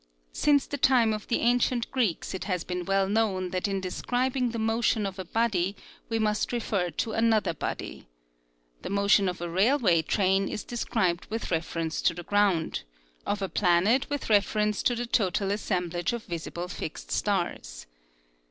Since the time of the ancient Greeks it has been well known that in describing the motion of a body we must refer to another body. The motion of a railway train is described with reference to the ground, of a planet with reference to the total assemblage of visible fixed stars.